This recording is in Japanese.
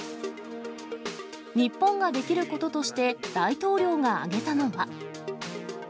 日本ができることとして、大統領が挙げたのは。